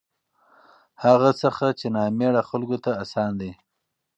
هغه څخه چې نامېړه خلکو ته اسان دي